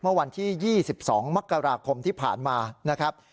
เมื่อวันที่๒๒มกราคมที่ผ่านมานะครับ